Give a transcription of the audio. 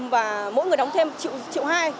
và mỗi người đóng thêm triệu hai